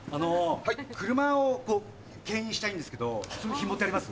車をけん引したいんですけどそのひもってあります？